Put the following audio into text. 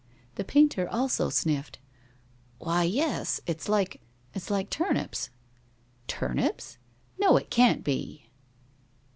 The painter also sniffed. "Why, yes! It's like it's like turnips." "Turnips? No; it can't be.